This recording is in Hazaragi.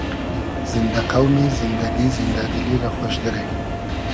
زیندۂ قۆمی ، زیندئگی ، زیندۂ دیلی رۂ خۉش دیرې